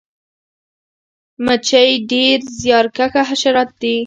مچۍ ډیر زیارکښه حشرات دي